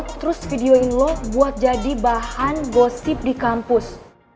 terus videoin lo buat jadi bahan gosip di kampus